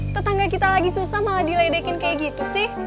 tetangga kita lagi susah malah diledekin kayak gitu sih